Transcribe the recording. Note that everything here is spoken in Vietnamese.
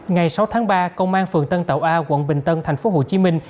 ngày sáu tháng ba công an phường tân tạo a quận bình tân thành phố hồ chí minh